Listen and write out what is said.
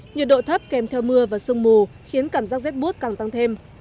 nhiệt độ thấp kèm theo mưa và sương mù khiến cảm giác rét bút càng tăng thêm